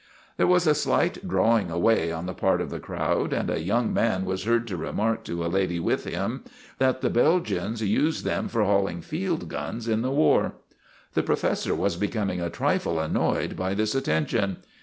There was a slight drawing away on the part of the crowd, and a young man was heard to remark to a lady with him that the Belgians used them for hauling field guns in the war. The professor was becoming a trifle annoyed by this attention.